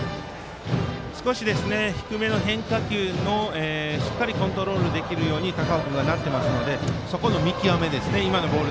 少し低めの変化球をしっかりコントロールできるように高尾君がなっていますのでそこの見極めですね。